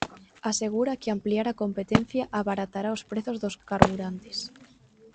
Asegura que ampliar a competencia abaratará os prezos dos carburantes.